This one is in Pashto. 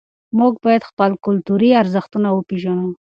موږ باید خپل کلتوري ارزښتونه وپېژنو.